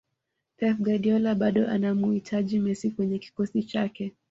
pep guardiola bado anamuhitaji messi kwenye kikosi chake